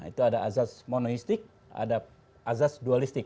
itu ada azas monoistik ada azas dualistik